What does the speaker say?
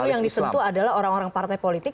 yang disentuh adalah orang orang partai politik